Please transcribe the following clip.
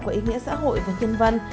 của ý nghĩa xã hội và nhân văn